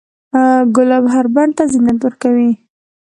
ګلاب هر بڼ ته زینت ورکوي.